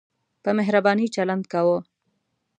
په مهربانۍ چلند کاوه.